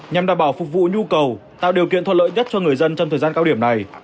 nhằm đảm bảo phục vụ nhu cầu tạo điều kiện thuận lợi nhất cho người dân trong thời gian cao điểm này